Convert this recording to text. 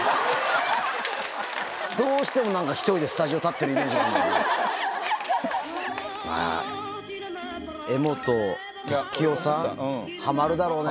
どうしてもなんか一人でスタジオ立っているイメージがあるんだよね。